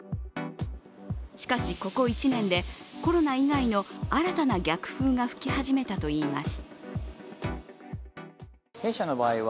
しかし、ここ１年でコロナ以外の新たな逆風が吹き始めたといいます。